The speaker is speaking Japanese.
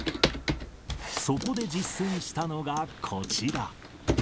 そこで実践したのがこちら。